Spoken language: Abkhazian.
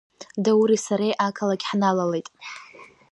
Даури сареи ақалақь ҳналалеит.